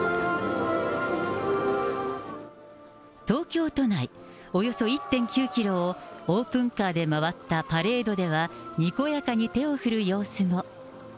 東京都内およそ１．９キロをオープンカーで回ったパレードでは、にこやかに手を振る様子も。